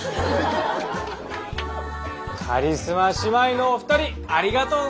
カリスマ姉妹のお二人ありがとうございました。